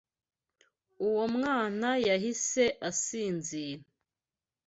Uwo mwana yahise asinzira.